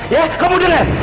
ya kamu dengar